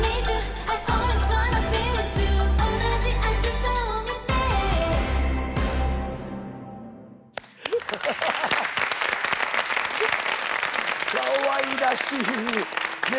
かわいらしいね。